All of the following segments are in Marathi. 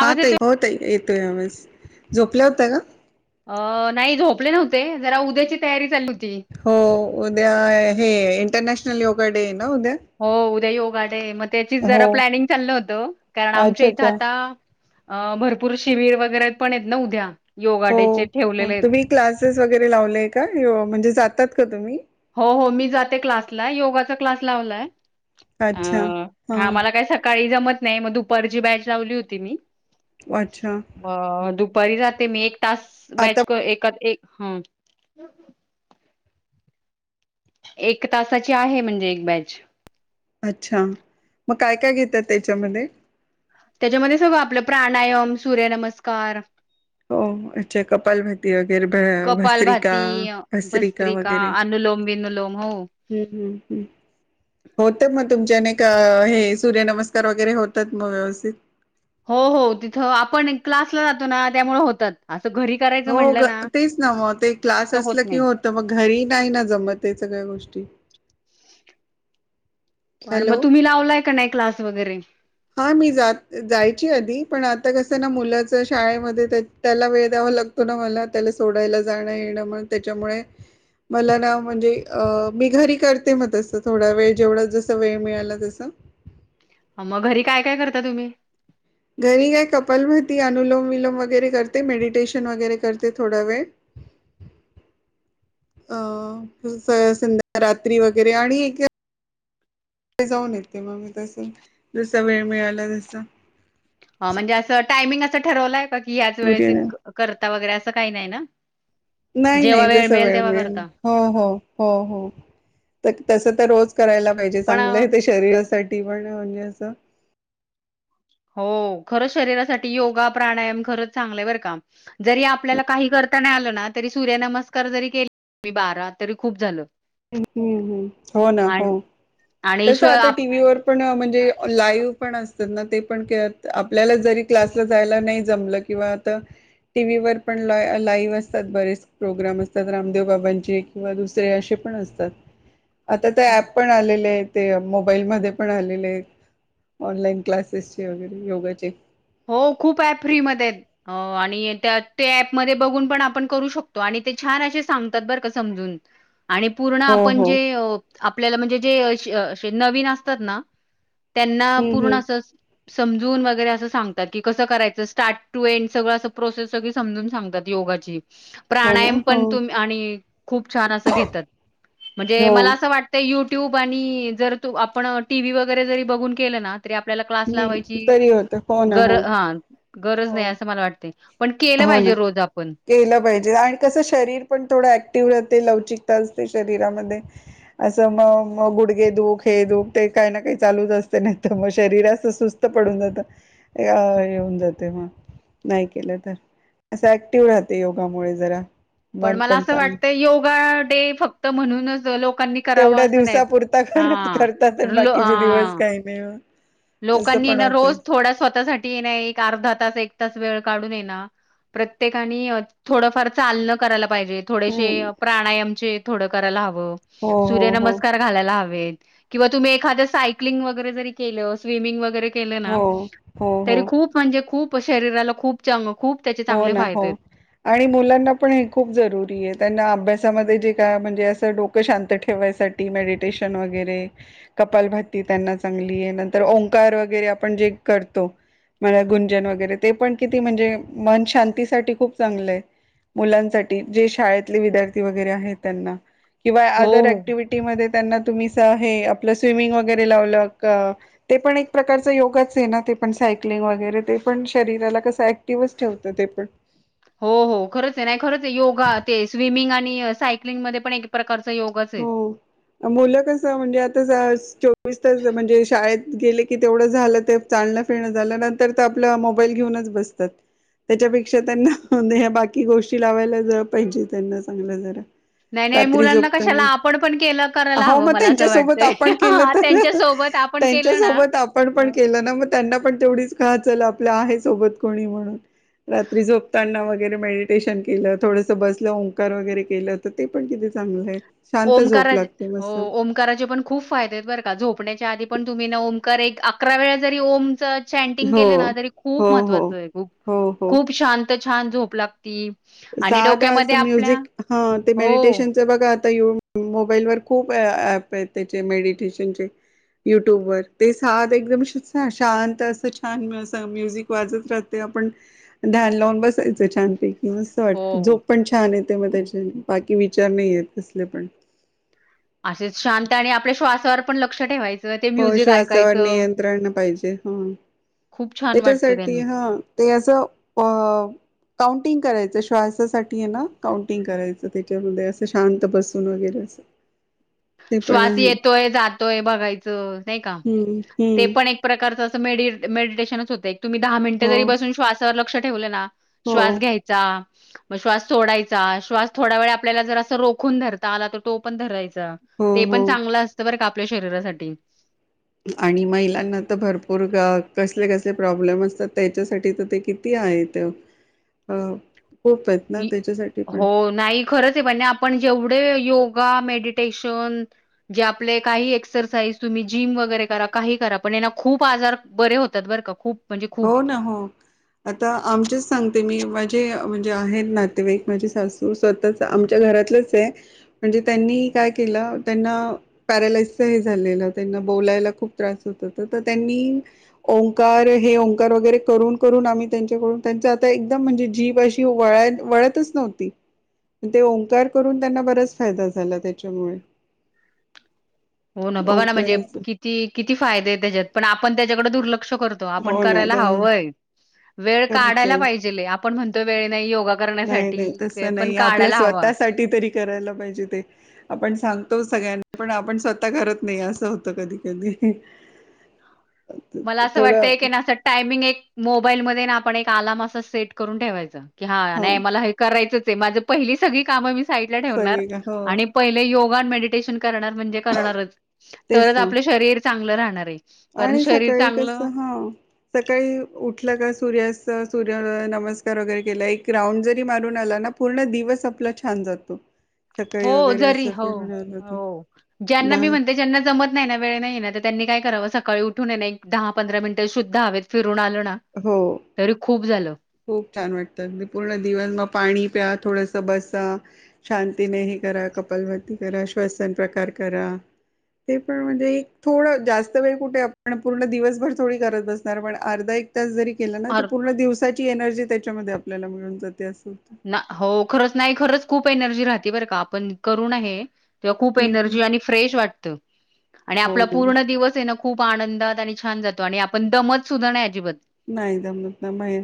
हा त येतोय? हो ताई येतोय आवाज झोपल्या होत्या का अ नाही झोपले नव्हते जरा उद्याची तयारी चालु होती हो उद्या हे इंटरनॅशनल योगा डे आहे ना उद्या हो उद्या योगा डे आहे मग त्याचीच हो जरा प्लॅनिंग चालल होत कारण आमच्या अच्छा इथ अच्छा आता अ भरपूर शिबिर वगैरे पण आहेत ना उद्या योगा हो डे चे हो ठेवलेले आहेत तुम्ही क्लासेस वगैरे लावलेय का म्हणजे जातात का तुम्ही हो हो मी जाते क्लासला योगाचा क्लास लावलाय हा मला काय सकाळी जमत नाही मग दुपारची बॅच लावली होती मी अच्छा ब दुपारी जाते मी एक तास आता बॅच ए एक एक तासाची आहे म्हणजे एक बॅच अच्छा मग काय काय घेतात त्याच्यामध्ये त्याच्यामध्ये सगळ आपल प्राणायाम, सूर्यनमस्कार हो अच्छा कपालभाती वगैरे भस्रिका, भस्रिका वगै का अनुलोम बिनुलोम हो हम्म हम्म हम्म होते मग तुमच्या ने हे सूर्यनमस्कार वेगैरे होतात मग व्यवस्थित हो हो तिथ आपण क्लासला जातो ना त्यामुळे होतात अस घरी करायचं हो म्हटलं तेच ना मग ते क्लास तर असल नाही की होत मग घरी नाही ना जमत ह्या सगळ्या गोष्टी आणि हॅलो मग तुम्ही लावलाय का नाही क्लास वगैरे हा मी जात जायची आधी पण आता कस ना मुलाच शाळेमध्ये त्या त्याला वेळ द्यावा लागतो ना मला त्याला सोडायला जाण येण म्हणून त्याच्यामुळे मला ना म्हणजे अ मी घरी करते मग तस थोडा वेळ जेवढा जस वेळ मिळाला तसं. मग घरी काय काय करता तुम्ही? घरी काय कपाल भारती अनुलोम विलोम वगैरे करते मेडिटेशन वगैरे करते थोडा वेळ [inaudible] अ स-संध्या रात्री वगैरे आणि जाऊन येते मग मी तसे जसा वेळ मिळाला जसा, अ म्हणजे असं टायमिंग असं ठरवलंय का की याच सूर्य वेळेस करता वगैरे असं काही नाही ना. नाय जेव्हा नाय जसा वेळ तेव्हा मिळेल, करता हो हो हो हो तक तस तर रोज करायला पाहिजे पण चांगलं अ, आहे ते शरीरासाठी पण म्हणजे असं हो खरंच शरीरासाठी योगा प्राणायाम खरंच चांगल बरं का जरी आपल्याला काही करता नाही आलं ना तरी सूर्यनमस्कार जरी केले मी बारा तरी खूप झालं. हम हम हम हो ना आणि हो आणि तस स्व आता आप टीव्ही वर पण म्हणजे लाईव्ह पण असतात ना ते पण केअर आपल्याला जरी क्लासला जायला नाय जमलं किंवा आता टीव्ही वर पण ला-लाईव्ह असतात बरेच प्रोग्राम असतात रामदेव बाबांचे किंवा दुसरे अशे पण असतात. [inaudible] आता त ऍप पण आलेलेत. ते मोबाईलमध्ये पण आलेलेत ऑनलाईन क्लासेसचे वगैरे योगाचे हो खूप ऍप फ्रीमध्ये. अ आणि त्या ते ऍपमध्ये बघून पण आपण करू शकतो, आणि ते छान असे सांगतात बरं का समजून. [inaudible] आणि पूर्ण हो आपण हो जे अ आपल्याला म्हणजे जे अशे नवीन असतात ना त्यांना हम्म, पूर्ण हम्म. अस समजून वगैरे असं सांगत ताकी कसं करायच स्टार्ट टू एंड सगळ असं प्रोसेस सगळी समजून सांगतात योगाची. हो ना. प्राणायाम हो, पण तुम आणि खूप छान असं घेतात, म्हणजे हो. मला असं वाटत ते युट्यूब आणि जर तू आपण टी व्ही वगैरे जरी बघून केलं ना तरी आपल्याला क्लास लावायची हं. [unintelligible] गर हा गरज हो. नाही असं मला वाटते, पण केलं हो ना. पाहिजे रोज आपण. केलं पाहिजे आणि कसं शरीर पण थोडं ऍक्टिव्ह राहते लवचिकता असते शरीरामध्ये असं म-मग गुडगे दुख हे दुख ते काही ना काही चालूच असते नाही तर मग शरीर असं सुस्त त पडून जात अ हे होऊन जाते मग नाही केलं तर असं ऍक्टिव्ह राहते योगामुळे जरा. पण मन मला असं चांग वाटतं योगा डे फक्त म्हणूनच लोकांनी करावा तेवढ्या असं नाही दिवसापुरता करत हा करतात आणि लो बाकीचे दिवस हा काही नाही मग. असं लोकांनी पण ना होते. रोज थोडा स्वतःसाठी हेना एक का आर्धा तास एक तास वेळ काढून हेना प्रत्येकानी अ थोडफार चालणं करायला पाहिजे थोडेशे हम्म. प्राणायमचे थोडं करायला हवं हो हो हो सूर्यनमस्कार घालायला हवेत किंवा तुम्ही एखाद सायकलिंग वगैरे जरी केलं स्विमिंग वगैरे केल ना हो हो हो तरी खूप म्हणजे खूप शरीराला खूप चांग खूप त्याचे हो चांगले ना फायदे हो आहेत. आणि मुलांना पण हे खूप जरुरी ये त्यांना अभ्यासामध्ये जे काय म्हणजे असं डो क शांत ठेवायसाठी मेडिटेशन वगैरे कपालभाती त्यांना चांगली आहे नंतर ओंकार वगैरे आपण जे करतो मला गुंजन वगैरे, ते पण किती म्हणजे, मन शांतीसाठी खूप चांगलय. मुलांसाठी, जे शाळेतले विद्यार्थी वगैरे आहेत त्यांना. किंवा हो, आँदर हो. ॲक्टिव्हिटी मध्ये त्यांना तुम्ही स हे आपलं स्विमिंग वगैरे लावल का? ते पण एक प्रकारच योगाच आहे ना, ते पण सायक्लिंग वगैरे ते पण शरीराला कसं ॲक्टिव्हच ठेवत ते पण. हो, हो, खरंच आहे, नाही खरंच आहे, योगा ते स्विमिंग आणि सायकलिंगमध्ये पण एक प्रकारचा योगच हो, अ मुलं कस, म्हणजे आता स चोवीस तास म्हणजे शाळेत गेले कि तेवढं झालं, ते चालण फिरण झालं, नंतर आपला मोबाईल घेऊनच बसतात. त्याच्यापेक्षा त्यांना ह्या बाकी गोष्टी लावायलाज पाहिजे, त्यांना चांगल्या जरा. नाही, नाही, रात्री मुलांना कशा त्याला झोपताना आपण पण केलं, करायला हो हवं मग मला असं त्यांच्यासोबत वाटतंय, आपण केलं हा त्यांच्या सोबत आपण केलं ना. पण, पण अ, केलं ना, मग त्यांना पण तेवढीच का हा चला, आपल्या आहे सोबत कोणी म्हणून. रात्री झोपताना वगैरे मेडिटेशन केलं, थोडस बसलं ओंकार वगैरे केलं तर ते पण किती चांगलं आहे. शांत झोप ओंकाराज लागते हो मस्त ओम ओंकाराचे पण खूप फायदे आहेत बर का, झोपण्याच्या आधी पण तुम्ही ना ओकार एक अकरा वेळा जरी ओमच चँटिंग केलं हो ना तरी खूप हो हो महत्त्वाचं आहे. खूप, हो हो खूप शांत छान झोप लागती. आणि साध डोक्यामध्ये असं आपल्या म्युझिक हा ते हो. मेडिटेशन च बघा आता, यु मोबाईल वर खूप एळा ॲप आहेत, त्याचे मेडिटेशनचे. युट्यूब वर. ते साध एकदम शस शांत, असं छान, असं म्युझिक वाजत राहत ते आपण ध्यान लावून बसायचं छानपैकी. मस्त वाटत,, हो. झोप पण छान येते मग त्याच्यान बाकी विचार नाही येत कसले पण. अशेच शांत आणि आपल्या श्वासावर पण लक्ष ठेवायच. हो श्वासावर नियंत्रण पाहिजे. हा., खूप छान वाटतं त्याच्यासाठी त्यानी. ह ते असं वव काउंटिंग करायचं, श्वासासाठी आहे ना काउंटिंग करायचं, त्याच्यामध्ये असं शांत बसून वगैरे अस. श्वास येतोय, जातोय बघायचं नाही का, हम्म ते हम्म पण एक प्रकारचं अस मेडिट-मेडिटशनच होतय. एक तुम्ही दहा मिनिटं हो जरी बसून श्वासावर लक्ष ठेवले ना हो श्वास घ्यायचा मग श्वास सोडायचा. श्वास थोडा वेळ आपल्याला जर, असं रोखून धरता आला तर तो पण धरायचा. हो ते पण हो चांगलं असतं बरं का, आपल्या शरीरासाठी. आणि महिलांना तर भरपूर ग कसले, कसले प्रॉब्लेम असतात त्याच्यासाठी तर ते कि ती आहेत. अ खूप आहेत ना, त्याच्यासाठी हो पण. नाही खरच आहे, म्हणजे आपण जेवढे योगा, मेडिटेशन जे आपले काही एक्सरसाईज तुम्ही जिम वगैरे करा, काही करा, पण यान खूप आजार बरे होत तात, बर का खूप. म्हणजे खूप हो ना, हो. आता आमचेच सांगते मी, माझे म्हणजे आहेत नातेवाईक माझी सासू स्वतःच आमच्या घरातलंच आहे, म्हणजे त्यांनी काय केलं त्यांना पॅरालाइसच हे झालेलं, त्यांना बोलायला खूप त्रास होत, तर त्यांनी ओंकारेश् हे ओंकार वगैरे करून, करून आम्ही त्यांच्याकडून त्यांचं आता एकदम म्हणजे, जीभ अशी वळाय वळतच नव्ह ती आणि ओंकार करून त्यांना बराच फायदा झाला, त्याच्यामुळे. हो ना, बघा ना म्हणजे, ओंकाराच किती, किती फायदे त्याच्यात पण आपण त्याच्याकडे दुर्लक्ष करतो. तो आप हो ना करायला ते हवय, वेळ खरंच काढायला आहे. पाहिजेल आपण म्हणतोय वेळ नाही ये. योगा नाही करण्यासाठी नाही ते तसं पण नाही. आपल्या काढायला हवा. स्वतःसाठी तरी करायला पाहिजे ते. आपण सांगतो सगळ्यांना पण, आपण स्वतः करत नाही असं होतं कधी कधी. ह. मला असं थोडं वाटतंय की ना असं टायमिंग एक मोबाईलमध्ये ना, आपण एक आलाम असं सेट करून ठेवायचं. कि हा नाही मला हे करायचंच आहे, माझं पहिली सगळी कामं मी साईडला ठेवणार सगळे का हो आणि. पहिले योगा मेडिटेशन करणार म्हणजे करणारचं, तेच तरच ना आपलं शरीर चांगलं राहणार आहे. कारण आणि शरीर सकाळी चांगलं कसं हा. सकाळी उठलं का सूर्यात सूर्य नमस्कार वगैरे केला, एक राऊंड जरी मारून आला ना. पूर्ण दिवस आपला छान जातो. हो सकाळी वगैरे जरी असं हो फिरून आलं तर हो, ज्यांना बा मी म्हणते ज्यांना जमत नाही ना वेळ नाही ना तर त्यांनी काय करावं, सकाळी उठून ये ना एक दहा पंधरा मिनिटं शुद्ध हवेत फिरून आलं ना. हो तरी खूप झालं. खूप छान वाटतं, पूर्ण दिवस मग पाणी प्या थोडंसं बसा. शांतीने हे करा, कपालभाती करा श्वसन प्रकार करा. ते पण म्हणजे एक थोडं जास्त वेळ कुठे आपण, पूर्ण दिवसभर थोडी करत बसणार पण अर्धा एक. त्या जरी केला ना ते अर पूर्ण दिवसाची एनर्जी, त्यांच्यामध्ये आपल्याला मिळून जाते असं होतंय. हो खरंच नाही खरंच खूप एनर्जी राहते, बरं का आपण करू ना हे तेव्हा खूप हं, हं. एनर्जी आणि. फ्रेश वाटत, आणि हो आपला ना पूर्ण दिवस ये ना. खूप आनंदात आणि छान जातो, आणि आपण दमत सुद्धा नाही अजिबात. नाही दमत नाही म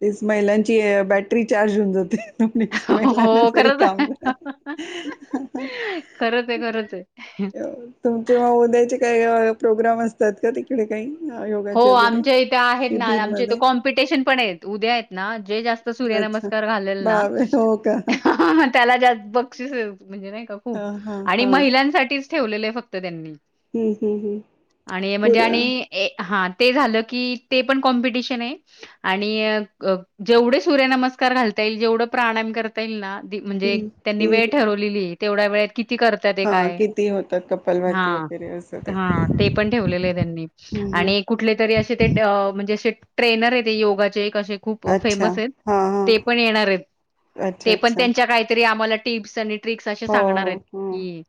तेच, महिलांची बॅटरी चार्ज होऊन जाते. [inaudible] हो खरंच आहे. खरंच ये, खरंच ये. तुमचे म उद्याचे काही प्रोग्राम असतात का, तिकडे काही योगाचे वगैरे. ते आहेत ना शिबिर आमचे इथ मध्ये कॉम्पिटिशन पण येत, उद्या आहेत ना जे जास्त. तो सूर्य अच्छा नमस्कार घालेल ना. बावे हो का त्याला‌‌ जास्त बक्षीस म्हणजे नाही का, हा खूप हा आणि हा महिलांसाठीच ठेवलेले आहे फक्त त्यांनी. हम्म हम्म हम्म आणि म्हणजे पुर आणि ये. हा ते झालं की ते, पण कॉम्पिटिशन ये. आणि जेवढं सूर्यनमस्कार घालता येईल, जेवढं प्राणायाम कर म्हणजे हम्म त्यांनी वेळ हम्म ठरवलेली तेवढ्या, वेळेत किती कर हा किती होतात, कपालभाती वगैरे असं ते. हां. ते पण ठेवलेलं आहे त्यांनी. हम्म आणि कुठले तरी असे ते म्हणजे, असे ट्रेनर आहे ते योगाचे कसे. खूप अच्छा फेमस येतं‌. हा हा ते पण येणार आहेत अच्छा ते, पण अच्छा त्यांच्या काहीतरी आम्हाला. टीप्स आणि, ट्रिक्स असे हो सांगणार हो आहेत, हम. की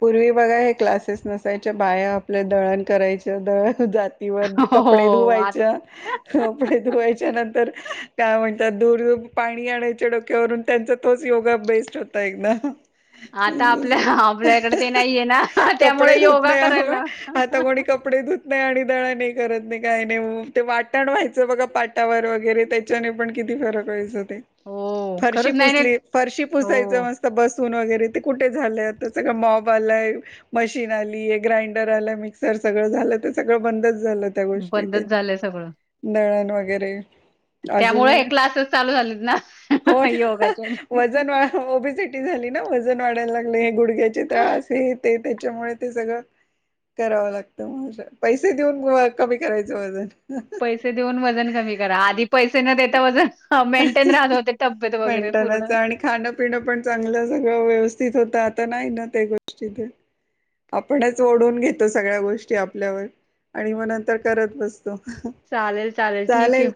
पूर्वी बघा हे क्लासेस नसायच्या, बाया आपल्या दळण करायच दळण जात. इव्हन हो, कपडे हो. आता धुवायचं कपडे, धुवायच्या नंतर त्या म्हणतात दूर पाणी आणायच्या, डोक्यावरून त्यांचा तोच योगा बेस्ट होता एकदा. आता आपल्या आपल्या इकडे ते नाहीये ना, कपडे त्यामुळे धुत योगा नाही हवं करायला. आता कोणी कपडे धुत नाही आणि दळण नाही करत नाही, काय नाही ते वाटण व्हायचं बघा पाटावर वगैरे. [unintelligible] हो फरशी खरंच नाही नाही पुसली पुसायचं हो मस्त बस सून वगैरे ते कुठे झालं आता, सगळं मॉब आलाय. मशीन आली ग्राइंडर आलं, मिक्सर सगळं झालं तर सगळं बंदच झालं. त्या गोष्टी ते बंदच झालंय सगळं दळण वगैरे. त्यामुळे हे अजूनही क्लासेस चालू झालेत ना हो योगाचे वजन वा ओबीसी टी झाली ना वजन वाढायला लागले, हे गुडघ्याचे त्रास हे ते त्याच्यामुळे ते सगळं करावं लागतं म असं, पैसे देऊन वं कमी करायचं वजन. पैसे देऊन वजन कमी करा, आधी पैसे न देता वजन मेंटेन राहत होते तब्येत वगैरे पूर्ण. खाणपिणं पण चांगलं सगळं व्यवस्थित होत आता नाही ना ते गोष्टी ते. आपणच ओढून घेतो सगळ्या गोष्टी आपल्यावर आणि म नंतर करत बस तो. चालेल, चालेल ठीक हे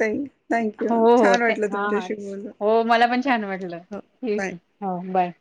थँक्यू हो हो छान ते वाटलं हा हा तुमच्याशी बोलून हो मला पण छान वाटलं. हो बाय ठीक हे, हो बाय.